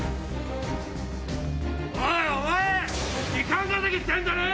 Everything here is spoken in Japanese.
おいお前！